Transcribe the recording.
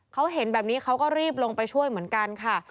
เขาเห็นแบบนี้เขาก็รีบลงไปช่วยเหมือนกันค่ะ